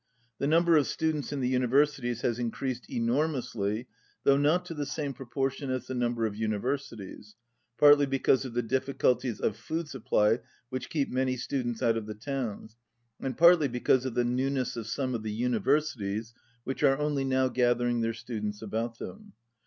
The number of students in the universities has increased enormously though not to the same proportion as the number of universi ties, partly because the difficulties of food supply keep many students out of the towns, and partly because of the newness of some of the universities which are only now gathering their students about them.